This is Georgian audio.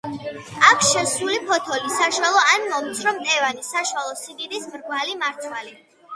აქვს შებუსული ფოთოლი, საშუალო ან მომცრო მტევანი, საშუალო სიდიდის მრგვალი მარცვალი.